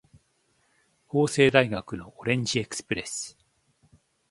法政大学のオレンジエクスプレス